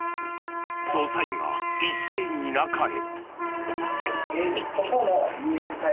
捜査員が一斉に中へ。